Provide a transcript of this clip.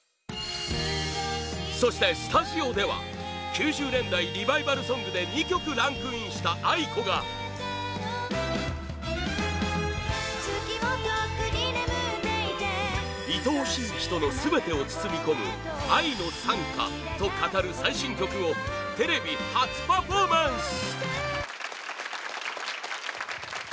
そして、スタジオでは９０年代リバイバルソングで２曲ランクインしたａｉｋｏが愛おしい人の全てを包み込む愛の賛歌と語る最新曲をテレビ初パフォーマンス！